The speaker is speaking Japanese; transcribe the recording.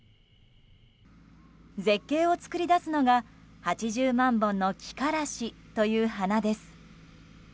絶景を作り出すのが８０万本のキカラシという花です。